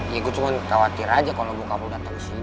ya gue cuma khawatir aja kalo bokap lo dateng disini